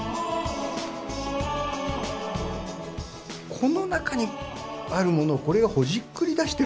この中にあるものをこれがほじくり出してるんだみたいな。